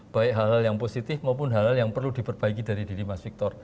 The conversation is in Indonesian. baik hal hal yang positif maupun hal hal yang perlu diperbaiki dari diri mas victor